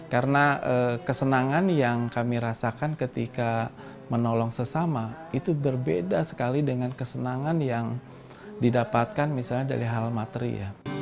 karena kesenangan yang kami rasakan ketika menolong sesama itu berbeda sekali dengan kesenangan yang didapatkan misalnya dari hal materi